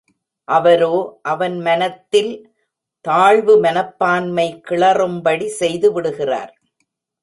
அவரோ அவன் மனத்தில் தாழ்வு மனப்பான்மை கிளறும்படி செய்து விடுகிறார்.